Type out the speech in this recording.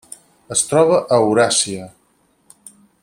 Es troba a Euràsia: